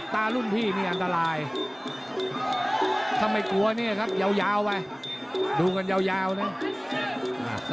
ถ้าไม่กลัวเนี่ยครับยาวไว้ดูกันยาวเนี่ย